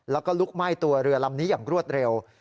แล้วก็ลุกไหม้ตัวเรือลำนี้อย่างรวดเร็ว